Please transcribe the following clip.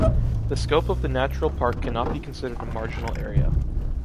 The scope of the natural park can not be considered a marginal area.